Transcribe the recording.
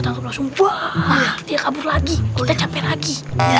langsung wah dia kabur lagi udah capek lagi